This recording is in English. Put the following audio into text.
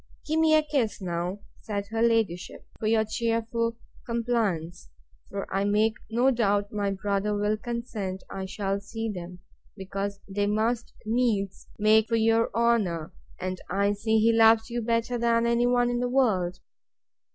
Give me a kiss now, said her ladyship, for your cheerful compliance: for I make no doubt my brother will consent I shall see them, because they must needs make for your honour; and I see he loves you better than any one in the world.